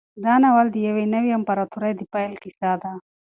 دا ناول د یوې نوې امپراطورۍ د پیل کیسه ده.